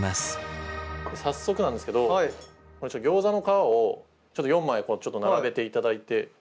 早速なんですけどギョーザの皮を４枚並べていただいて。